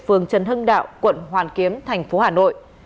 phường trần hưng đạo quận hoàn kiếm tp hà nội